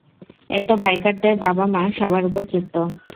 এতে বাইকারদের বাবা-মা সবার উপর ক্ষিপ্ত।